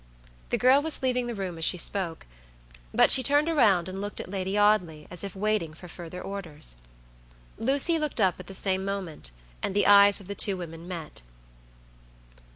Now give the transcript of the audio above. The girl was leaving the room as she spoke, but she turned around and looked at Lady Audley as if waiting for further orders. Lucy looked up at the same moment, and the eyes of the two women met.